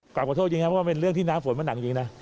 กลับขอโทษจริงครับเพราะว่าเป็นเรื่องที่น้ำฝนมันหนักจริงนะ